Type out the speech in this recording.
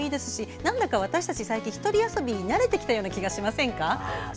なんだか私たち最近一人遊びに慣れてきたような気がしませんか。